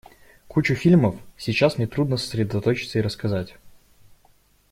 Кучу фильмов — сейчас мне трудно сосредоточиться и рассказать.